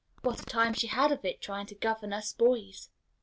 what a time she had of it trying to govern us boys!"